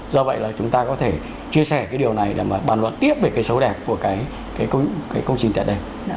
do vậy là chúng ta có thể chia sẻ cái điều này để mà bàn luận tiếp về cái xấu đẹp của cái công trình tại đây